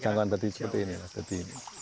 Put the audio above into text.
ya jangkauan seperti ini